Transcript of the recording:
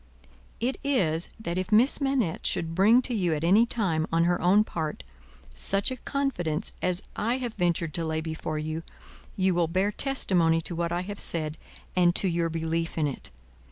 "It is, that if Miss Manette should bring to you at any time, on her own part, such a confidence as I have ventured to lay before you, you will bear testimony to what I have said, and to your belief in it.